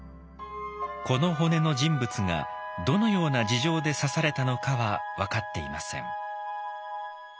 この骨の人物がどのような事情で刺されたのかは分かっていません。